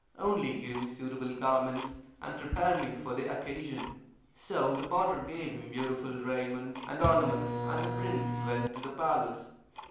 Only give me suitable garments, and prepare me for the occasion." So the potter gave him beautiful raiment and ornaments, and the prince went to the palace.